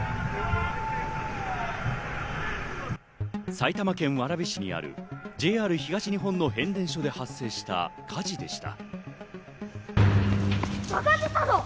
埼玉県蕨市にあるＪＲ東日本の変電所で発生した火事でした。